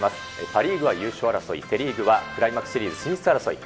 パ・リーグは優勝争い、セ・リーグはクライマックスシリーズ進出争い。